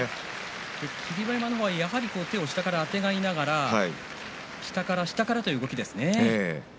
霧馬山の方はやはり手を下からあてがいながら下から下からという動きですね。